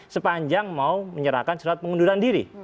sepanjang mau menyerahkan surat pengunduran diri